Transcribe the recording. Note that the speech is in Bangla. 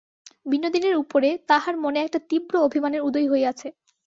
বিনোদিনীর উপরে তাহার মনে একটা তীব্র অভিমানের উদয় হইয়াছে।